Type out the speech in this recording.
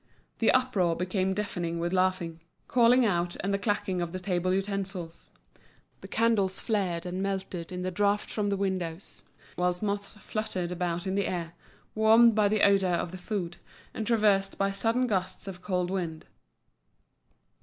The uproar became deafening with laughing, calling out, and the clacking of the table utensils; the candles flared and melted in the draught from the windows, whilst moths fluttered about in the air, warmed by the odour of the food, and traversed by sudden gusts of cold wind.